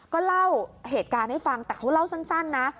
ก็เล่าเหตุการณ์ให้ฟังแต่เขาเล่าสั้นนะ